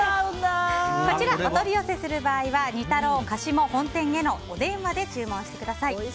こちらお取り寄せする場合は仁太郎加子母本店へのお電話で注文してください。